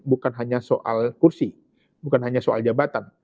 bukan hanya soal kursi bukan hanya soal jabatan